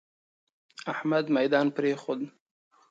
احمد ميدان پرېښود.